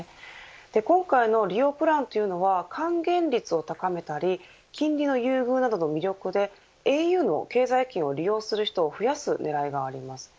今回の利用プランというのは還元率を高めたり金利の優遇などの魅力でａｕの経済圏を利用する人を増やす狙いがあります。